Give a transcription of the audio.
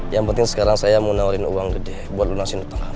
yang penting sekarang saya mau nawarin uang gede buat lunasin di tengah